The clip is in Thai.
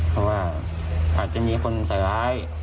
เพราะว่าอาจจะมีคนใส่ร้าย